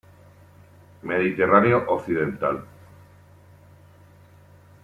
Mediterráneo Occidental.